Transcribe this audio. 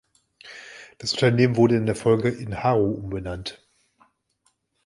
Das Unternehmen wurde in der Folge in Haru umbenannt.